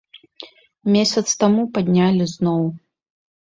Месяц таму паднялі зноў!